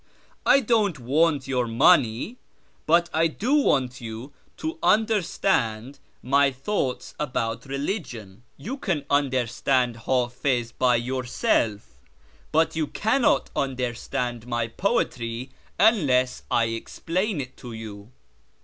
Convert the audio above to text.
I don't want your money, but I do want you to understand my thoughts about religion. You can understand Hafiz by yourself, but you cannot understand my poetry unless I explain it to you."